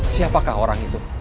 siapakah orang itu